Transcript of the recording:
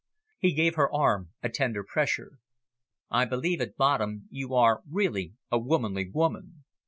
He gave her arm a tender pressure. "I believe at bottom you are really a womanly woman.